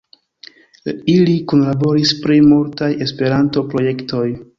Ili kunlaboris pri multaj esperanto-projektoj.